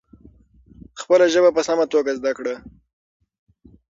خپله ژبه په سمه توګه زده کړه.